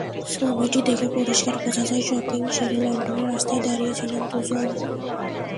ছবিটি দেখে পরিষ্কার বোঝা যায়, শপিং সেরে লন্ডনের রাস্তায় দাঁড়িয়ে ছিলেন দুজন।